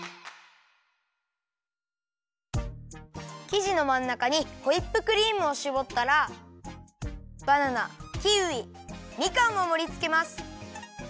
きじのまんなかにホイップクリームをしぼったらバナナキウイみかんをもりつけます。